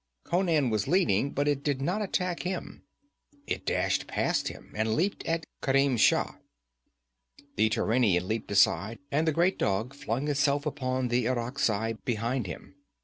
Conan was leading, but it did not attack him. It dashed past him and leaped at Kerim Shah. The Turanian leaped aside, and the great dog flung itself upon the Irakzai behind him.